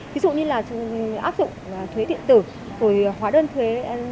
ví dụ như là áp dụng thuế điện tử rồi hóa đơn thuế